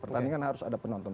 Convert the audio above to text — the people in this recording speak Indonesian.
pertandingan harus ada penonton